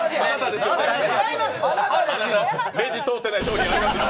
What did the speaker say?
レジ通ってない商品ありますよ。